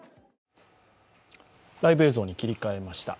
ライブ映像に切り替えました。